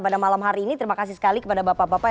pada malam hari ini terima kasih sekali kepada bapak bapak